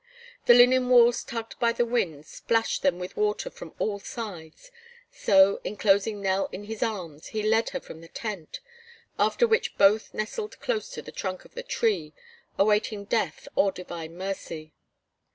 The linen walls tugged by the wind splashed them with water from all sides, so, enclosing Nell in his arms, he led her from the tent; after which both nestled close to the trunk of the tree, awaiting death or divine mercy.